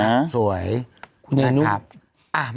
แต่สวยนะขุมแผนครับสวย